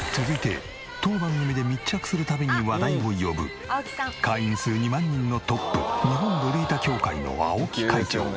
続いて当番組で密着する度に話題を呼ぶ会員数２万人のトップ日本ロリータ協会の青木会長。